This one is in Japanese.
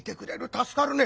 助かるね。